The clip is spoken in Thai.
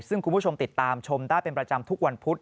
ซึ่งคุณผู้ชมติดตามชมได้เป็นประจำทุกวันพุธ